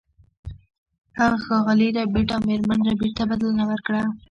هغه ښاغلي ربیټ او میرمن ربیټ ته بلنه ورکړه